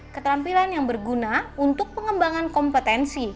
keterampilan yang berguna untuk pengembangan kompetensi